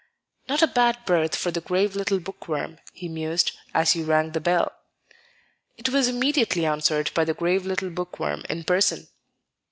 "Not a bad berth for the grave little bookworm," he mused as he rang the bell. It was immediately answered by the "grave little bookworm" in person.